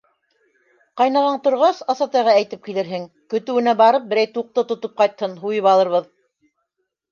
Ҡайнағаң торғас, Асатайға әйтеп килерһең: көтөүенә барып, берәр туҡлы тотоп ҡайтһын, һуйып алырбыҙ...